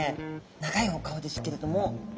長いお顔ですけれども。